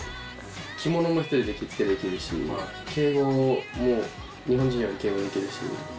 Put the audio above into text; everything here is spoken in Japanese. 着物も１人で着付けできるし、敬語も日本人より敬語できるし。